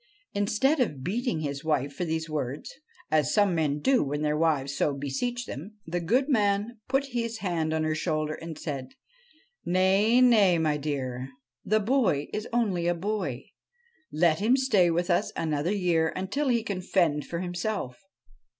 Instead of beating his wife for these words as some men do when their wives so beseech them the goodman put his hand on her shoulder and said, ' Nay, nay, my dear ; the boy is only a boy ; let him stay with us another year until he can fend for himself.